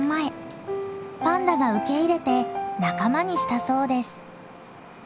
パンダが受け入れて仲間にしたそうです。